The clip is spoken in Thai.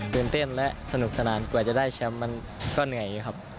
เต้นและสนุกสนานกว่าจะได้แชมป์มันก็เหนื่อยครับ